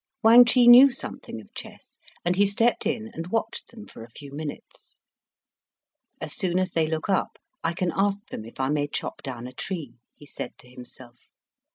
Wang Chih knew something of chess, and he stepped in and watched them for a few minutes. "As soon as they look up I can ask them if I may chop down a tree," he said to himself.